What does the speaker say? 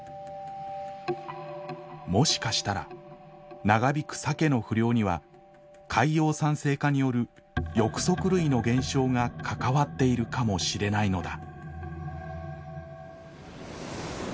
もしかしたら長引くサケの不漁には海洋酸性化による翼足類の減少が関わっているかもしれないのだ。